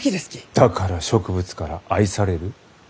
だから植物から愛される？